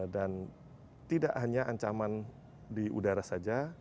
dan tidak hanya ancaman di udara saja